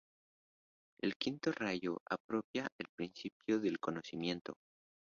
El quinto rayo apropia el principio del conocimiento.